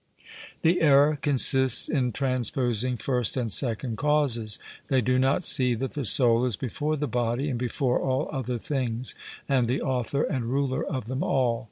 The error consists in transposing first and second causes. They do not see that the soul is before the body, and before all other things, and the author and ruler of them all.